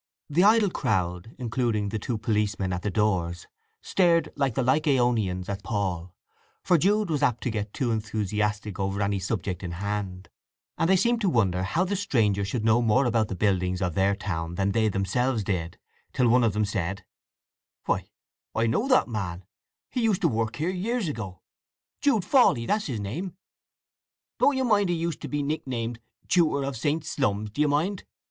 The idle crowd, including the two policemen at the doors, stared like the Lycaonians at Paul, for Jude was apt to get too enthusiastic over any subject in hand, and they seemed to wonder how the stranger should know more about the buildings of their town than they themselves did; till one of them said: "Why, I know that man; he used to work here years ago—Jude Fawley, that's his name! Don't you mind he used to be nicknamed Tutor of St. Slums, d'ye mind?